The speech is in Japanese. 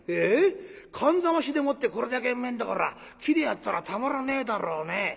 燗冷ましでもってこれだけうめえんだから生でやったらたまらねえだろうね。